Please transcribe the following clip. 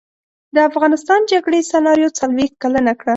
د افغانستان جګړې سناریو څلویښت کلنه کړه.